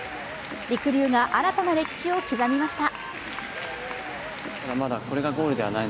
りくりゅうが新たな歴史を刻みました。